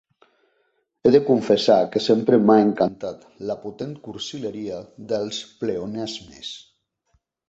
He de confessar que sempre m'ha encantat la potent cursileria dels pleonasmes.